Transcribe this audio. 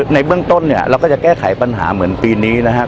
ในเบื้องต้นเนี่ยเราก็จะแก้ไขปัญหาเหมือนปีนี้นะครับ